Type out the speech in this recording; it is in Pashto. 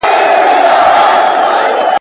تر دې ډنډه یو کشپ وو هم راغلی `